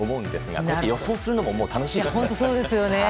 こうやって予想するのも楽しいです。